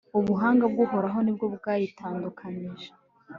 ubuhanga bw'uhoraho ni bwo bwayitandukanije